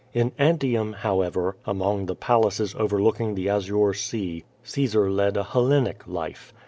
In Antium, however, among the palaces overlooking the azure sea, Caesar led a Hellenic life.